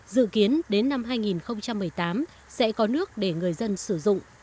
dự kiến đến năm hai nghìn một mươi tám sẽ có nước để người dân sử dụng